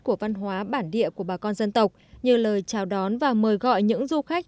của văn hóa bản địa của bà con dân tộc như lời chào đón và mời gọi những du khách